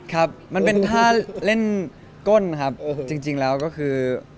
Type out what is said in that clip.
ครับมันเป็นท่าเล่นก้นครับจริงแล้วก็คือ